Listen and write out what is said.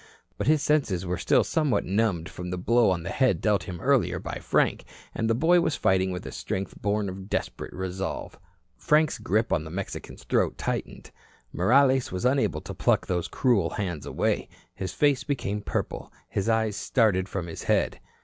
But his senses were still somewhat numbed from the blow on the head dealt him earlier by Frank, and the boy was fighting with a strength born of desperate resolve. Frank's grip on the Mexican's throat tightened. Morales was unable to pluck those cruel hands away. His face became purple. His eyes started from his head.